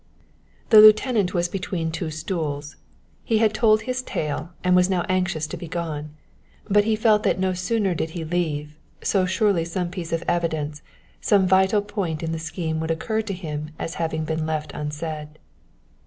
The lieutenant was between two stools. He had told his tale, and was now anxious to be gone, but he felt that no sooner did he leave, so surely some piece of evidence, some vital point in the scheme would occur to him as having been left unsaid.